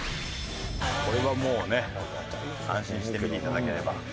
これはもうね安心して見て頂ければ。